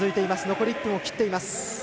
残り１分を切っています。